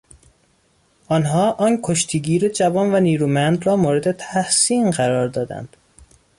آنها آن کشتیگیر جوان و نیرومند را مورد تحسین قرار دادند.